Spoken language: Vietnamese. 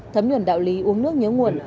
thấm nhuẩn đạo lý uống nước nhớ nguồn